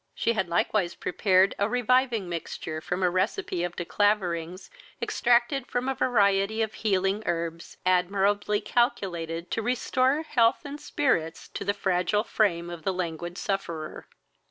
She had likewise prepared a reviving mixture from a recipe of De Clavering's extracted from a variety of healing herbs, admirably calculated to restore health and spirits to the fragile frame of the languid sufferer.